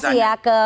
masih ada tuh saya